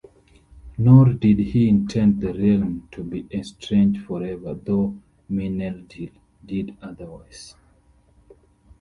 Nor did he intend the realms to be estranged forever, though Meneldil did otherwise.